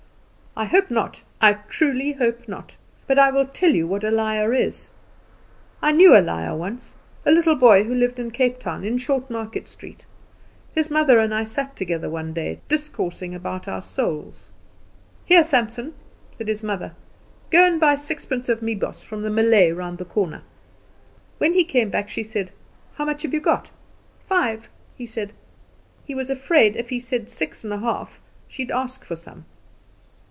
"I hope not; I truly hope not. But I will tell you what a liar is. I knew a liar once a little boy who lived in Cape Town, in Short Market Street. His mother and I sat together one day, discoursing about our souls. "'Here, Sampson,' said his mother, 'go and buy sixpence of meiboss from the Malay round the corner.' "When he came back she said: 'How much have you got?' "'Five,' he said. "He was afraid if he said six and a half she'd ask for some.